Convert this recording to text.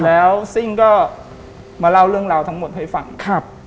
แล้วซิ่งก็มาเล่าเรื่องราวทั้งหมดให้ฟังครับ